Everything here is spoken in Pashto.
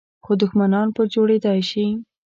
خو دښمنان په جوړېدای شي .